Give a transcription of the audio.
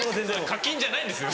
課金じゃないんですよ。